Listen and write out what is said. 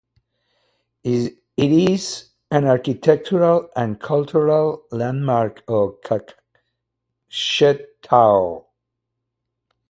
It is an architectural and cultural landmark of Kokshetau.